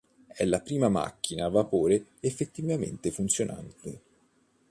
È la prima macchina a vapore effettivamente funzionante.